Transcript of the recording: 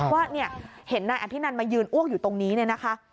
ว่าเห็นนายอภินันมายืนอ้วกอยู่ตรงนี้เนี่ยนะคะ